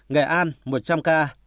nghệ an một trăm linh ca